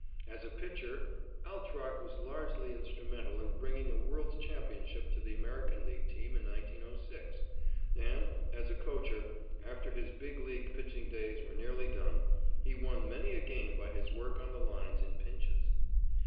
As a pitcher, Altrock was largely instrumental in bringing a world's championship to the American League team in 1906, and, as a coacher, after his Big League pitching days were nearly done, he won many a game by his work on the lines in pinches.